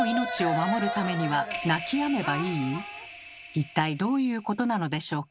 一体どういうことなのでしょうか？